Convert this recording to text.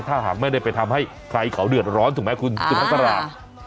ถ้าหากไม่ได้ไปทำให้ใครเขาเดือดร้อนถูกไหมคุณสุภาษา